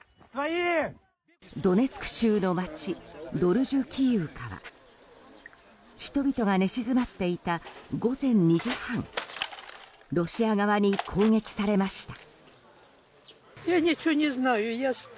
ドネツク州の街ドルジュキーウカは人々が寝静まっていた午前２時半ロシア側に攻撃されました。